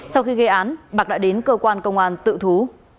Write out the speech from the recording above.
sau khi gây án bạc đã đến cơ quan công an tự thú